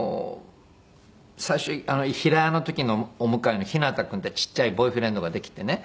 最初平屋の時のお向かいの陽葵君ってちっちゃいボーイフレンドができてね。